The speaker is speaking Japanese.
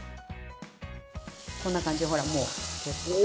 こんな感じでほらもう。